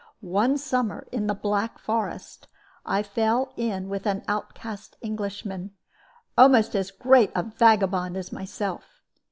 "One summer, in the Black Forest, I fell in with an outcast Englishman, almost as great a vagabond as myself.